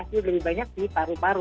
dia lebih banyak di paru paru